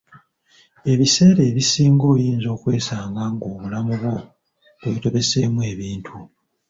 Ebiseera ebisinga oyinza okwesanga ng'obulamu bwo bwetobeseemu ebintu,